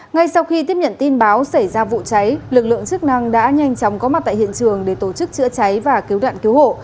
ngay sau khi tiếp nhận tin báo xảy ra vụ cháy lực lượng chức năng đã nhanh chóng có mặt tại hiện trường để tổ chức chữa cháy và cứu nạn cứu hộ